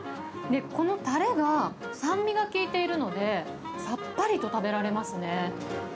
このたれが酸味が効いているので、さっぱりと食べられますね。